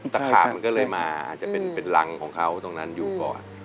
ตะขาบมันก็เลยมาอาจจะเป็นรังของเขาตรงนั้นอยู่ก่อน